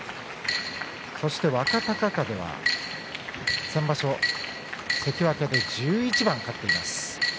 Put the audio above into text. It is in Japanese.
そして、若隆景は先場所関脇で１１番勝ちました。